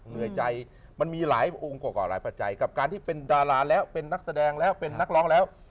เหนื่อยใจมันมีหลายองค์กว่าหลายปัจจัยกับการที่เป็นดาราแล้วเป็นนักแสดงแล้วเป็นนักร้องแล้ว